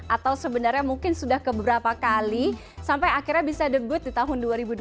atau sebenarnya mungkin sudah keberapa kali sampai akhirnya bisa debut di tahun dua ribu dua puluh